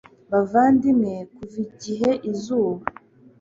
bavandimwe; kuva igihe izuba